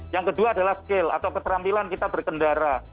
yang kedua adalah skill atau keterampilan kita berkendara